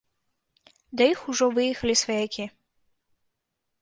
Да іх ужо выехалі сваякі.